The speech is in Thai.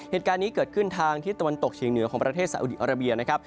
เหตุการณ์นี้เกิดขึ้นทางทิศตะวันตกเฉียงเหนือของประเทศสาอุดีอาราเบียนะครับ